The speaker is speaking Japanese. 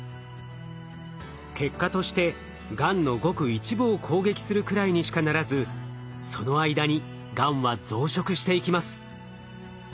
結果としてがんのごく一部を攻撃するくらいにしかならずその間にがんは増殖していきます。